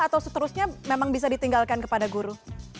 atau seterusnya memang bisa ditinggalkan kepada guru